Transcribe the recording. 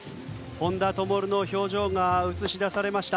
本多灯の表情も映し出されました。